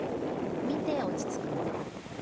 見て落ち着くもの。